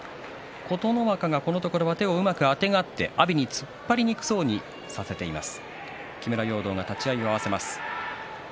琴ノ若がこのところ、うまくあてがって阿炎が突っ張りにくそうにしています。